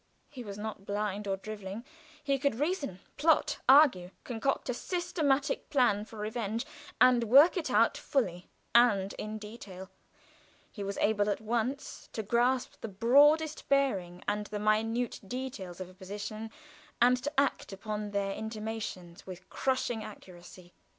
He was not blind or driveling; he could reason, plot, argue, concoct a systematic plan for revenge, and work it out fully and in detail; he was able at once to grasp the broadest bearing and the minute details of a position, and to act upon their intimations with crushing accuracy.